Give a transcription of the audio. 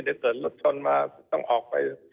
เดี๋ยวเกิดรถชนมาต้องออกไป